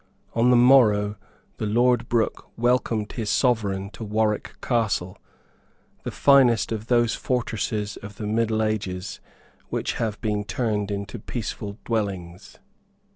On the morrow the Lord Brook welcomed his Sovereign to Warwick Castle, the finest of those fortresses of the middle ages which have been turned into peaceful dwellings.